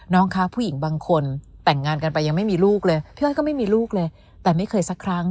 น้องค่ะผู้หญิงบางคนแต่งงานกันไปยังไม่มีลูกเลย